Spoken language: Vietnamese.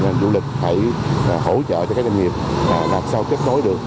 ngành du lịch phải hỗ trợ cho các doanh nghiệp làm sao kết nối được